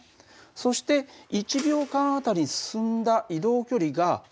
そして１秒間あたりに進んだ移動距離が速度だ。